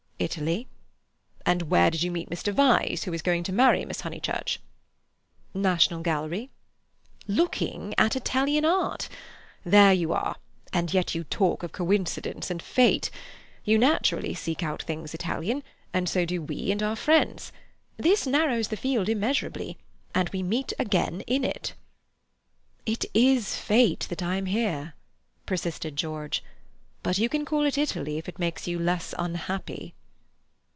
"Italy." "And where did you meet Mr. Vyse, who is going to marry Miss Honeychurch?" "National Gallery." "Looking at Italian art. There you are, and yet you talk of coincidence and Fate. You naturally seek out things Italian, and so do we and our friends. This narrows the field immeasurably we meet again in it." "It is Fate that I am here," persisted George. "But you can call it Italy if it makes you less unhappy."